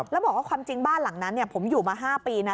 แล้วบอกว่าความจริงบ้านหลังนั้นผมอยู่มา๕ปีนะ